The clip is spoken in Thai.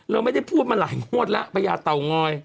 เราไม่ได้พูดมาหลายงวดแล้วพญาเตางอย